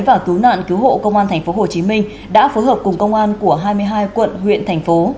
và cứu nạn cứu hộ công an tp hcm đã phối hợp cùng công an của hai mươi hai quận huyện thành phố